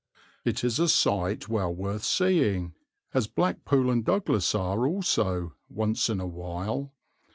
It is a sight well worth seeing, as Blackpool and Douglas are also, once in a while.